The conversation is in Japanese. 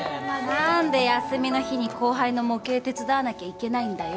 何で休みの日に後輩の模型手伝わなきゃいけないんだよ？